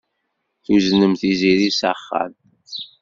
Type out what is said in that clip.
Tuznem Tiziri s axxam.